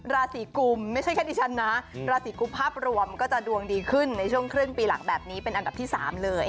ราศีกุมไม่ใช่แค่ดิฉันนะราศีกุมภาพรวมก็จะดวงดีขึ้นในช่วงครึ่งปีหลังแบบนี้เป็นอันดับที่๓เลย